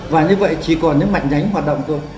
và như vậy chỉ còn những mạch nhánh hoạt động thôi